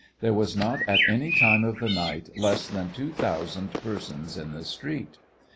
There was not at any time of the night less than two thousand persons in the street.